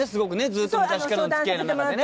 ずっと昔からの付き合いの中でね。